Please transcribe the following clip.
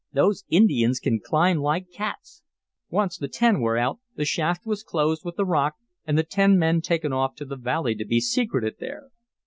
Those Indians can climb like cats. Once the ten were out the shaft was closed with the rock, and the ten men taken off to the valley to be secreted there.